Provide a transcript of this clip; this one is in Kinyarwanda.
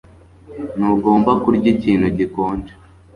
Ntugomba kurya ikintu gikonje